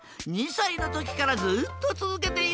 ２さいのときからずっとつづけているんだ。